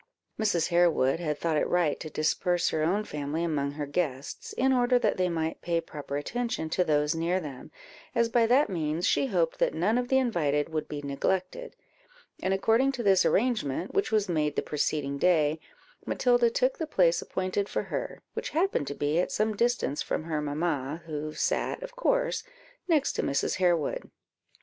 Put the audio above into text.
Mrs. Harewood had thought it right to disperse her own family among her guests, in order that they might pay proper attention to those near them, as by that means she hoped that none of the invited would be neglected; and according to this arrangement, which was made the preceding day, Matilda took the place appointed for her, which happened to be at some distance from her mamma, who sat, of course, next to Mrs. Harewood.